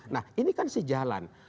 nah ini kan sejalan